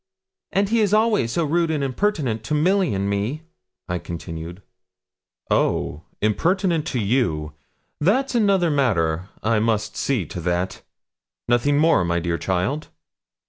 'And he is always so rude and impertinent to Milly and to me,' I continued. 'Oh! impertinent to you that's another matter. I must see to that. Nothing more, my dear child?'